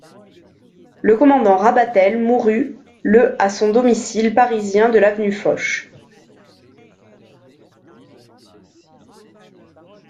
Le commandant Rabatel mourut le à son domicile parisien de l'avenue Foch.